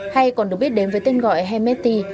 hay còn được biết đến với tên gọi hemeti